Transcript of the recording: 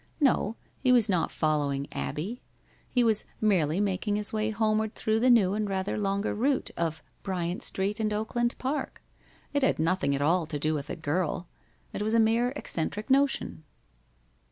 No, he was not following Abbie. He was merely making his way homeward through the new and rather longer route of Bryant Street and Oakland Park. It had nothing at all to do with a girl. It was a mere eccentric notion.